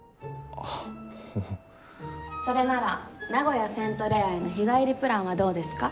それなら名古屋セントレアへの日帰りプランはどうですか？